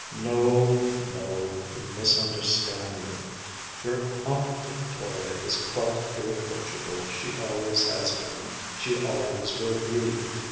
"No, no; you misunderstand me. Your Aunt Victoria is quite irreproachable, she always has been, she always will be.